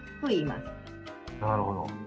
なるほど。